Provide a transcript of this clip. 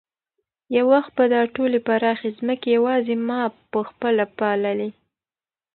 یو وخت به دا ټولې پراخې ځمکې یوازې ما په خپله پاللې.